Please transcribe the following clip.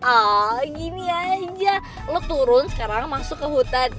awww gini aja lo turun sekarang masuk ke hutan